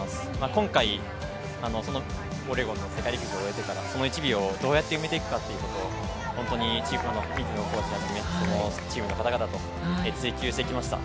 今回、オレゴンの世界陸上を終えてから、その１秒をどうやって埋めていくかということをコーチだったりチームの方々と追求してきました。